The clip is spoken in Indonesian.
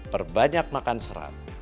perbanyak makan serat